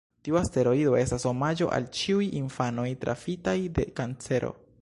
Tiu asteroido estas omaĝo al ĉiuj infanoj trafitaj de kancero.